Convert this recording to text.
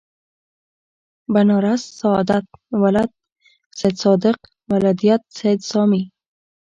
بنارس سادات ولد سیدصادق ولدیت سید سامي